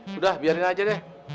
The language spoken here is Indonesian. sudah biarin aja deh